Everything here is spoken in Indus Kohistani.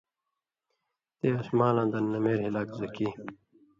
تے اَس مالاں دن نمېر ہِلاک زکے